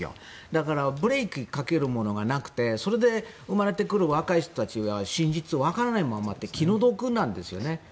だからブレーキをかけるものがなくてそれで生まれてくる若い人たちが真実が分からないままって気の毒なんですね。